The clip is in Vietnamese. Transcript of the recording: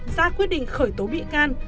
ra quyết định khởi tố bị can